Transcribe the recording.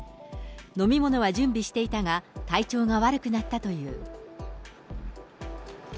飲み物は準備していたが、体調が悪くなったという。